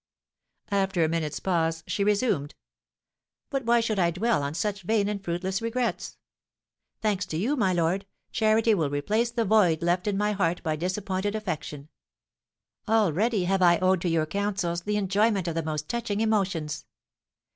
After a minute's pause she resumed: "But why should I dwell on such vain and fruitless regrets? Thanks to you, my lord, charity will replace the void left in my heart by disappointed affection. Already have I owed to your counsels the enjoyment of the most touching emotions.